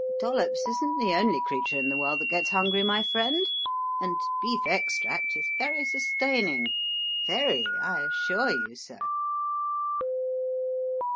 Dollops isn't the only creature in the world that gets hungry, my friend, and beef extract is very sustaining, very, I assure you, sir."